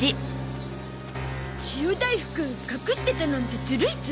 塩大福隠してたなんてずるいゾ。